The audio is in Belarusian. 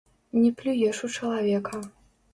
Не плюеш у чалавека.